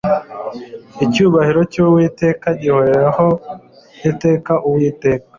Icyubahiro cy Uwiteka gihoreho iteka Uwiteka